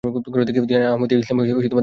তিনি আহমদীয়া ইসলামে দীক্ষিত হন।